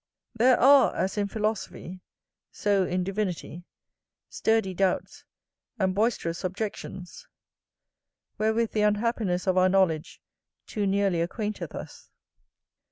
There are, as in philosophy, so in divinity, sturdy doubts, and boisterous objections, wherewith the unhappiness of our knowledge too nearly acquainteth us.